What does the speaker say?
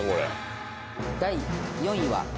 第４位は。